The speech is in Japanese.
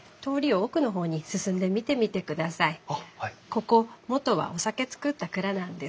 ここ元はお酒造った蔵なんです。